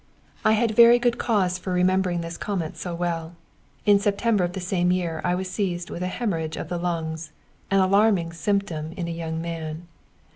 I had very good cause for remembering this comet so well. In September of the same year I was seized with hæmorrhage of the lungs, an alarming symptom in a young man.